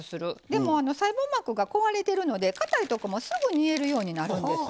でも細胞膜が壊れてるのでかたいとこもすぐ煮えるようになるんです。